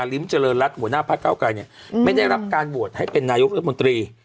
ริมเจริญรัฐหัวหน้าพระเก้าไกรเนี่ยไม่ได้รับการโหวตให้เป็นนายกรัฐมนตรี